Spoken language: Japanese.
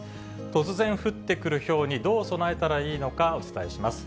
突然降ってくるひょうにどう備えたらいいのか、お伝えします。